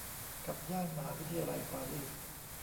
กับย่านมหาวิทยาลัยปารีส